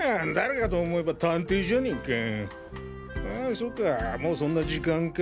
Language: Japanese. そっかもうそんな時間か。